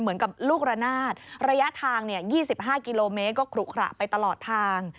เหมือนกับลูกระนาดระยะทาง๒๕กิโลเมตรก็ขลุขระไปตลอดทาง